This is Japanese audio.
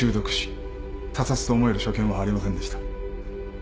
他殺と思える所見はありませんでした。